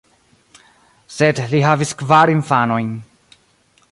Sed li havis kvar infanojn.